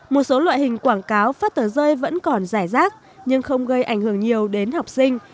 một số loại hình quảng cáo phát tờ rơi vẫn còn dài rác nhưng không gây ảnh hưởng nhiều đến học sinh